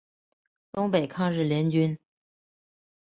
东北抗日联军。